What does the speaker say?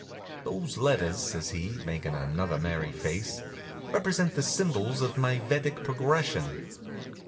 "Those letters," says he, makin' another merry face, "represent the symbols of my Vedic progression."